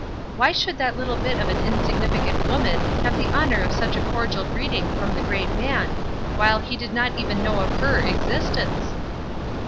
Why should that little bit of an insignificant woman have the honor of such a cordial greeting from the great man, while he did not even know of her existence?